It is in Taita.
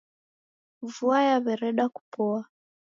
Vua yawereda kupoa.